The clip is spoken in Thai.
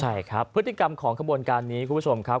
ใช่ครับพฤติกรรมของขบวนการนี้คุณผู้ชมครับ